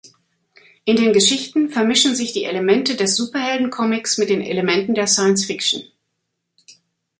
In den Geschichten vermischen sich die Elemente des Superhelden-Comics mit den Elementen der Science-Fiction.